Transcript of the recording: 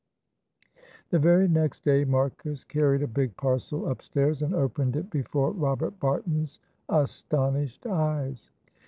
The very next day Marcus carried a big parcel upstairs and opened it before Robert Barton's astonished eyes.